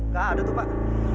gak ada tuh pak